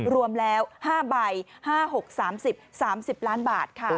รวมแล้ว๕ใบ๕๖๓๐๓๐ล้านบาทค่ะ